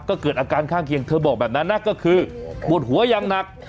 ก็เกิดอาการข้างเคียงเธอบอกแบบนั้นนะก็คือปวดหัวอย่างหนัก